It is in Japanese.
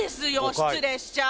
失礼しちゃう。